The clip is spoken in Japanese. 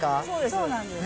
そうなんです。